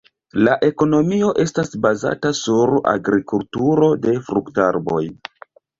La ekonomio estas bazata sur agrikulturo de fruktarboj.